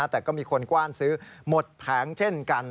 แต่ก็มีคนกว้านซื้อหมดแผงเช่นกัน